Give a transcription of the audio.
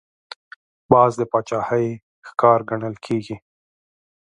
باز د باچاهۍ ښکار ګڼل کېږي